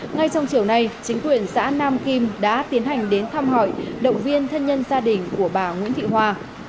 ngay trong chiều nay chính quyền xã nam kim đã tiến hành đến thăm hỏi động viên thân nhân gia đình của bà nguyễn thị hoa